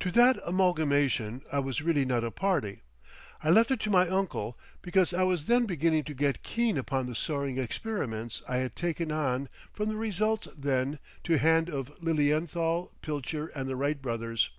To that Amalgamation I was really not a party; I left it to my uncle because I was then beginning to get keen upon the soaring experiments I had taken on from the results then to hand of Lilienthal, Pilcher and the Wright brothers.